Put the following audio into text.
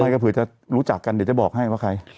ปลายกระเพื่อก็จะรู้จักกันเดี๋ยวบอกให้ว่าใคร